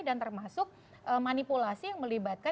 termasuk manipulasi yang melibatkan